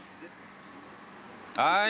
はい。